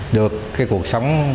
được cái cuộc sống